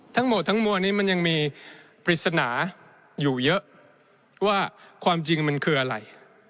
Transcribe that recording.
ทั้งหมดทั้งมวลนี้มันยังมีปริศนาอยู่เยอะว่าความจริงมันคืออะไร